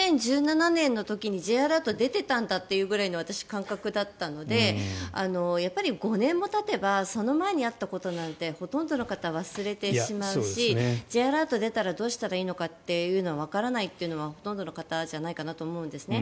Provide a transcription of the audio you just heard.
２０１７年の時にＪアラートが出てたんだというぐらいの私、感覚だったのでやっぱり５年もたてばその前にあったことなんてほとんどの方は忘れてしまうしＪアラート出たらどうしたらいいのかというのはわからないっていうのがほとんどの方じゃないかなって思うんですね。